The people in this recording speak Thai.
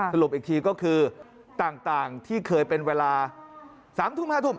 สรุปอีกทีก็คือต่างที่เคยเป็นเวลา๓ทุ่ม๕ทุ่ม